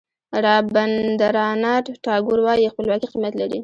رابندراناټ ټاګور وایي خپلواکي قیمت لري.